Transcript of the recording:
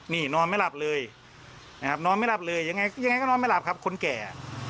นี่นอนไม่หลับเลยนะครับนอนไม่หลับเลยยังไงยังไงก็นอนไม่หลับครับคนแก่